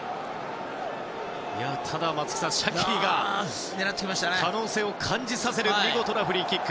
ただ、松木さんシャキリが可能性を感じさせる見事なフリーキック。